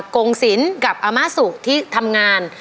กงศิลป์กับอาม่าสุที่ทำงาน